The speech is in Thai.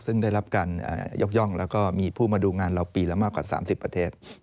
ซึ่งได้รับการยกย่องแล้วก็มีผู้มาดูงานเราปีละมากกว่า๓๐ประเทศ